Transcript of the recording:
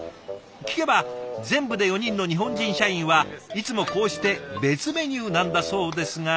聞けば全部で４人の日本人社員はいつもこうして別メニューなんだそうですが。